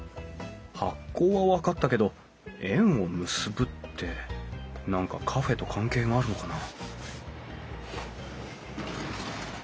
「発酵」は分かったけど「縁を結ぶ」って何かカフェと関係があるのかな？